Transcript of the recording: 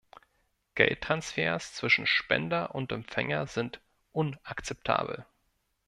Geldtransfers zwischen Spender und Empfänger sind unakzeptabel.